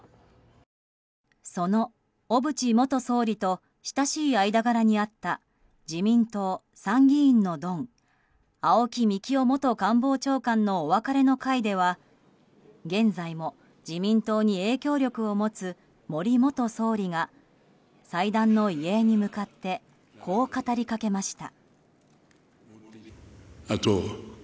その小渕元総理と親しい間柄にあった自民党、参議院のドン青木幹雄元官房長官のお別れの会では現在も自民党に影響力を持つ森元総理が祭壇の遺影に向かってこう語りかけました。